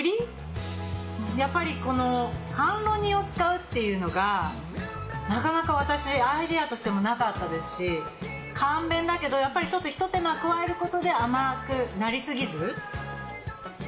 この栗、甘露煮を使うっていうのが、なかなか私、アイデアとしてもなかったですし、簡単だけど、ひと手間加えることで甘くなりすぎず。